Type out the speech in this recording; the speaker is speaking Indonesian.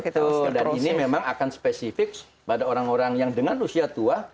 dan ini memang akan spesifik pada orang orang yang dengan usia tua